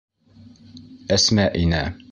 Әсмә инә.